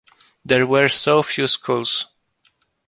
There were so few schools.